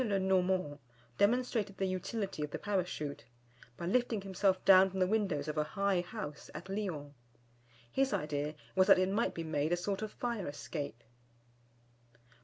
le Normand demonstrated the utility of the Parachute; by lifting himself down from the windows of a high house at Lyons. His idea was that it might be made a sort of fire escape.